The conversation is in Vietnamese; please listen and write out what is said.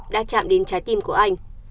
đã chạm đến trái tim của anh